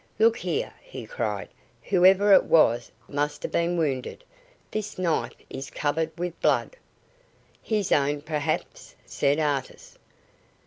"Look here," he cried, "whoever it was must have been wounded. This knife is covered with blood." "His own, perhaps," said Artis.